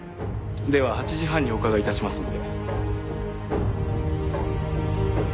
では８時半にお伺い致しますので。